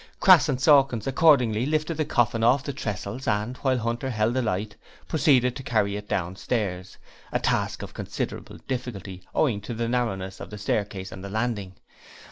Crass and Sawkins accordingly lifted the coffin off the tressels, and while Hunter held the light proceeded to carry it downstairs, a task of considerable difficulty owing to the narrowness of the staircase and the landing.